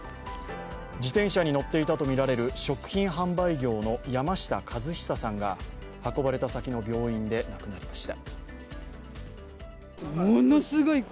自転車に乗っていたとみられる食品販売業の山下和久さんが運ばれた先の病院で亡くなりました。